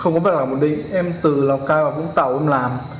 không có vật lạc bổn định em từ lào cai vào vũng tàu em làm